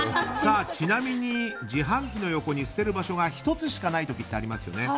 ちなみに自販機の横に捨てる場所が１つしかない時ってありますよね。